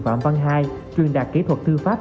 phạm văn hai truyền đạt kỹ thuật thư pháp